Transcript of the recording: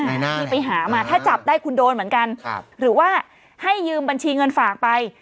ที่ไปหามาถ้าจับได้คุณโดนเหมือนกันครับหรือว่าให้ยืมบัญชีเงินฝากไป